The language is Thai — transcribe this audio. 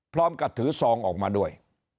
พร้อมกับถือซองออกมาด้วย